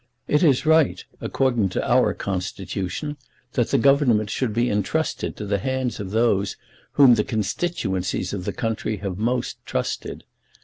It is right, according to our constitution, that the Government should be entrusted to the hands of those whom the constituencies of the country have most trusted.